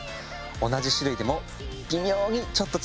同じ種類でも微妙にちょっと違う。